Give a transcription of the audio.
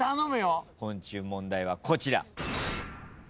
「昆虫」問題はこちら。